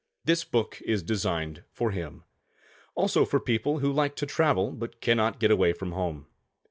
This book is designed for him. Also for people who would like to travel but cannot get away from home.